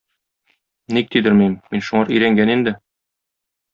Ник тидермим, мин шуңар өйрәнгән инде.